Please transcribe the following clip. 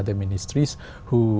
và bình tĩnh